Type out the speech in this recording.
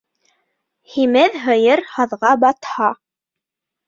Һимеҙ һыйыр һаҙға батһа